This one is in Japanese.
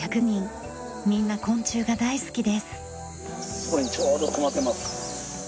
ここにちょうど止まってます。